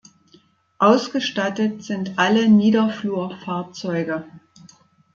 Ausgestattet sind alle Niederflurfahrzeuge.